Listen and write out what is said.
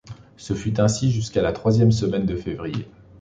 Ce fut ainsi jusqu’à la troisième semaine de février